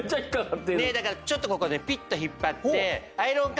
だからちょっとここでピッと引っ張って。